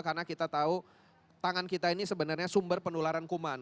karena kita tahu tangan kita ini sebenarnya sumber penularan kuman